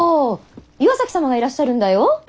岩崎様がいらっしゃるんだよ！